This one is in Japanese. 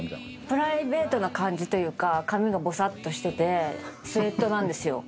プライベートな感じというか髪がぼさっとしててスエットなんですよ。